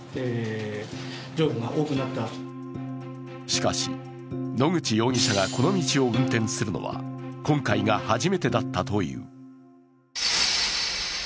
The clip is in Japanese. しかし、野口容疑者がこの道を運転するのは今回が初めてだったという。